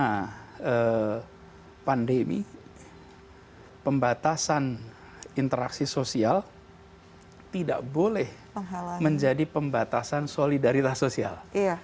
karena pandemi pembatasan interaksi sosial tidak boleh menjadi pembatasan solidaritas sosial